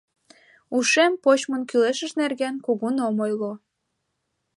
Ушем почмын кӱлешыж нерген кугун ом ойло.